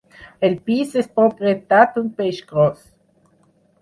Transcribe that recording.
El pis és propietat d'un peix gros!